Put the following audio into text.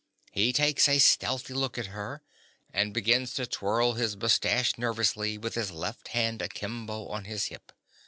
He takes a stealthy look at her, and begins to twirl his moustache nervously, with his left hand akimbo on his hip.